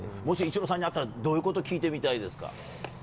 もし、イチローさんに会ったらどういうこと聞いてみたいですか。